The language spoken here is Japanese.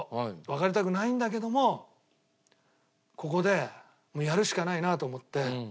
別れたくないんだけどもここでやるしかないなと思って。